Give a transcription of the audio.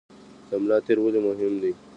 د ملا تیر ولې مهم دی؟